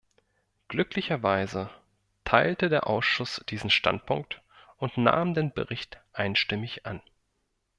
Glücklicherweise teilte der Ausschuss diesen Standpunkt und nahm den Bericht einstimmig an.